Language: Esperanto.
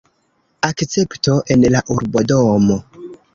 Akcepto en la urbodomo.